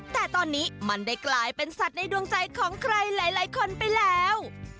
แต่ตอนนี้มันได้กลายเป็นสัตว์ในดวงใจของใครหลายคนไปแล้ว